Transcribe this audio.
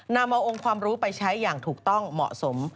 นำเอาองค์ความรู้ไปใช้อย่างถูกต้องเหมาะสม